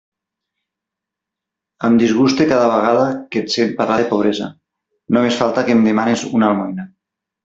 Em disguste cada vegada que et sent parlar de pobresa; només falta que em demanes una almoina.